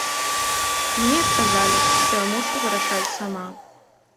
Мне адказалі, што я мушу вырашаць сама.